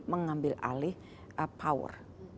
mengambil alih power